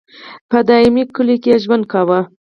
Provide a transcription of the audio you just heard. په دایمي کلیو کې یې ژوند کاوه.